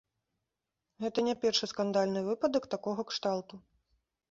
Гэта не першы скандальны выпадак такога кшталту.